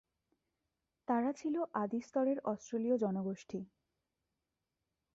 তারা ছিল আদিস্তরের অস্ট্রেলীয় জনগোষ্ঠী।